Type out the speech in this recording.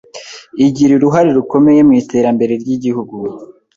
igira uruhare rukomeye mu iterambere ry’igihugu